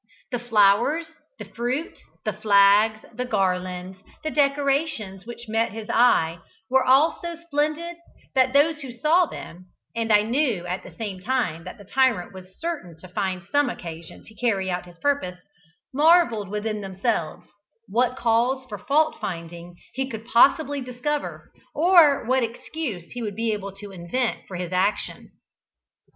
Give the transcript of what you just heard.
The flowers, the fruit, the flags, the garlands, the decorations which met his eye were all so splendid, that those who saw them, and knew at the same time that the tyrant was certain to find some occasion to carry out his purpose, marvelled within themselves, what cause for fault finding he could possibly discover, or what excuse he would be able to invent for his action.